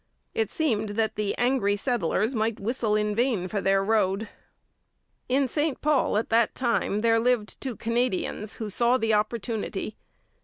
It seemed that the angry settlers might whistle in vain for their road. In St Paul at that time there lived two Canadians who saw the opportunity.